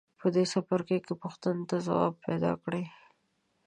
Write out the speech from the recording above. په دې څپرکي کې پوښتنو ته ځوابونه پیداکړئ.